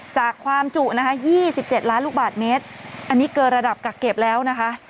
จากความจุนะคะ๒๗ล้านลูกบาทเมตรอันนี้เกินระดับกักเก็บแล้วนะคะ